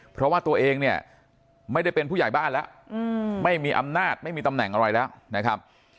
เพราะว่าตัวเองเนี่ยไม่ได้เป็นผู้ใหญ่บ้านแล้วไม่มีอำนาจไม่มีตำแหน่งอะไรแล้วนะครับ